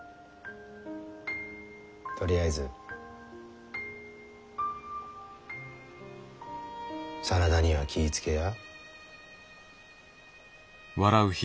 とりあえず真田には気ぃ付けや。